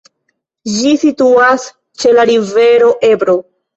Ĝi situas ĉe la rivero Ebro.